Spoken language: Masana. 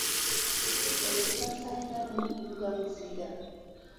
Vurutn ka sarkanu dugan zida.